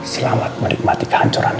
selamat menikmati kehancuran lu al